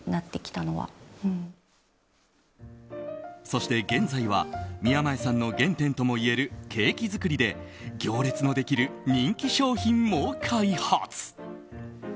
そして現在は宮前さんの原点ともいえるケーキ作りで行列のできる人気商品も開発。